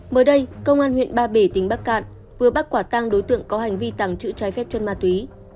mới đây công an huyện ba bể tỉnh bắc cạn vừa bắt quả tăng đối tượng có hành vi tàng trữ trái phép chân ma túy